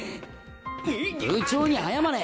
部長に謝れ！